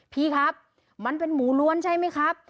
พี่ครับมันเป็นหมูล้วนใช่ไหมครับ